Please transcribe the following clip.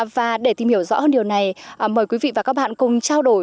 và để tìm hiểu rõ hơn điều này mời quý vị và các bạn cùng trao đổi